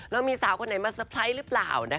แล้วมีสาวคนไหนมาสไพรส์หรือเปล่านะคะ